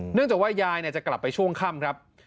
เนื่องจากว่ายายจะกลับไปช่วงค่ำครับ